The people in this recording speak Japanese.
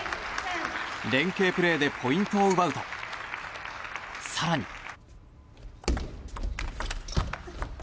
連係プレーでポイントを奪うと更に。